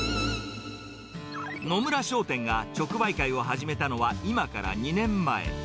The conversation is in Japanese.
野村商店が直売会を始めたのは、今から２年前。